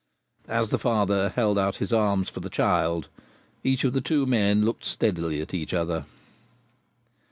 As the father held out his arms for the child, each of the two men looked steadily at the other.